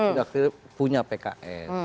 sudah clear punya pks